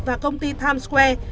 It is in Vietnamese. và công ty times square